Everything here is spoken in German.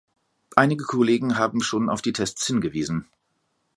Einige Kollegen haben schon auf die Tests hingewiesen.